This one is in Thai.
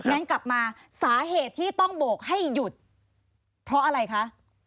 งั้นกลับมาสาเหตุที่ต้องโบกให้หยุดเพราะอะไรคะ